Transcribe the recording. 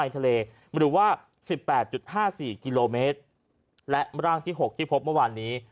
ทะเลหรือว่าสิบแปดจุดห้าสี่กิโลเมตรและมร่างที่หกที่พบเมื่อวันนี้